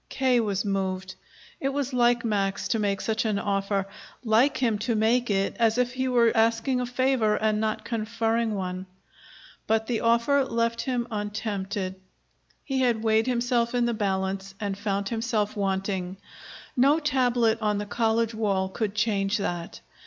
K. was moved. It was like Max to make such an offer, like him to make it as if he were asking a favor and not conferring one. But the offer left him untempted. He had weighed himself in the balance, and found himself wanting. No tablet on the college wall could change that.